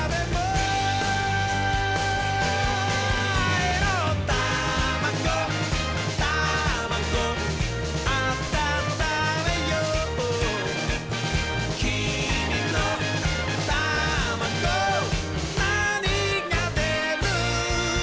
「あいのタマゴタマゴ」「あたためよう」「きみのタマゴなにがでる？」